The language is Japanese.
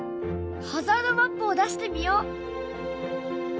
ハザードマップを出してみよう！